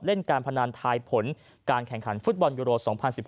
เล่นการพนันทายผลการแข่งขันฟุตบอลยูโร๒๐๑๙